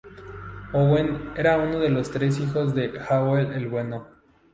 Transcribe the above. Owain era uno de los tres hijos de Hywel el Bueno.